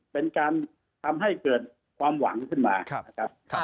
เป็นการทำให้เกิดความหวังขึ้นมานะครับ